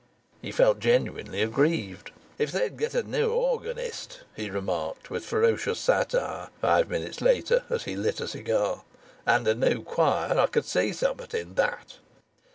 He felt genuinely aggrieved. "If they'd get a new organist," he remarked, with ferocious satire, five minutes later, as he lit a cigar, "and a new choir I could see summat in that."